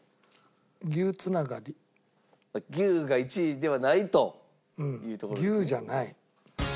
牛が１位ではないというところですね。